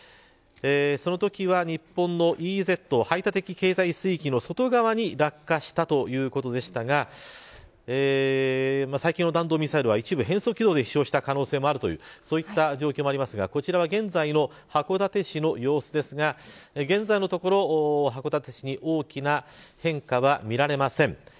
そのときは日本のＥＥＺ排他的経済水域の外側に落下したということでしたが最近の弾道ミサイルは変則軌道で一部、飛翔したという状況もあるのでこちらは現在の函館市の様子ですが、現在のところ函館市に大きな変化は見られません。